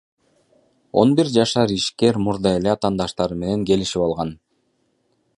Он бир жашар ишкер мурда эле атаандаштары менен келишип алган.